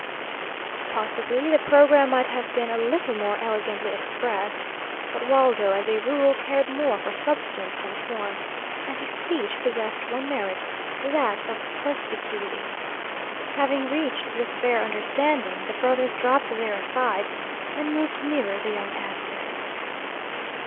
Possibly the programme might have been a little more elegantly expressed, but Waldo, as a rule, cared more for substance than form, and his speech possessed one merit, that of perspicuity. Having reached this fair understanding, the brothers dropped their aside, and moved nearer the young Aztec.